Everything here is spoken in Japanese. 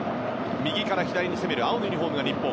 右から左に攻める青のユニホームが日本。